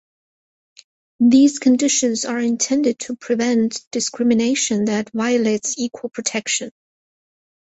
These conditions are intended to prevent discrimination that violates equal protection.